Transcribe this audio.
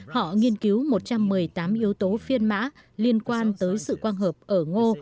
họ nghiên cứu một trăm một mươi tám yếu tố phiên mã liên quan tới sự quang hợp ở ngô